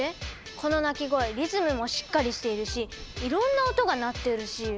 この鳴き声リズムもしっかりしているしいろんな音が鳴ってるし。